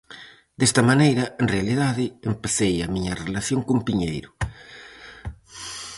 Desta maneira, en realidade, empecei a miña relación con Piñeiro.